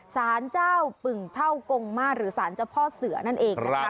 สารเจ้าปึ่งเท่ากงมาตรหรือสารเจ้าพ่อเสือนั่นเองนะคะ